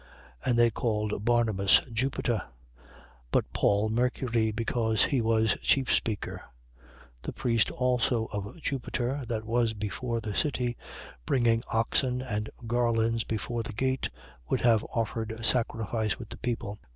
14:11. And they called Barnabas, Jupiter: but Paul, Mercury: because he was chief speaker. 14:12. The priest also of Jupiter that was before the city, bringing oxen and garlands before the gate, would have offered sacrifice with the people.